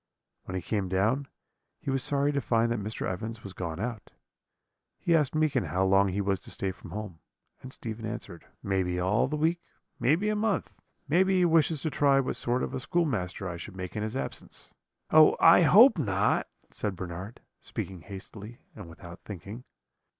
"When he came down, he was sorry to find that Mr. Evans was gone out. He asked Meekin how long he was to stay from home; and Stephen answered: "'Maybe all the week; maybe a month; maybe he wishes to try what sort of a schoolmaster I should make in his absence.' "'Oh! I hope not,' said Bernard, speaking hastily and without thinking.